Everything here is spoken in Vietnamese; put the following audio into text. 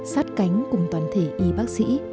sát cánh cùng toàn thể y bác sĩ